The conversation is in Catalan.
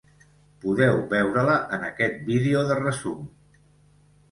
Podeu veure-la en aquest vídeo de resum.